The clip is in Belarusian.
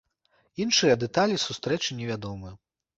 Іншыя дэталі сустрэчы невядомыя.